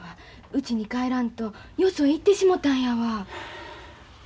うちに帰らんとよそへ行ってしもたんやわ。